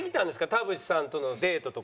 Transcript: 田渕さんとのデートとか。